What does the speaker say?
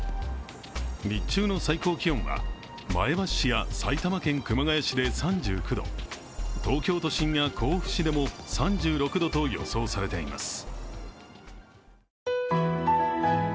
日中の最高気温は前橋市や埼玉県熊谷市で３９度東京都心や甲府市でも３６度と予想されています。